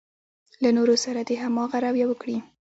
له نورو سره دې هماغه رويه وکړي.